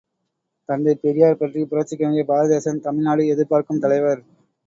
தந்தை பெரியார் பற்றிப் புரட்சிக் கவிஞர் பாரதிதாசன் தமிழ்நாடு எதிர்பார்க்கும் தலைவர்!